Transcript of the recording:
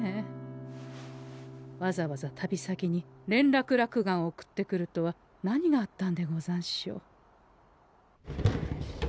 わざわざ旅先に連絡落雁を送ってくるとは何があったんでござんしょう？